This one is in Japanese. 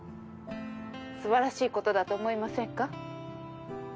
素晴らしいことだと思いませんか？